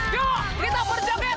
yuk kita berjoget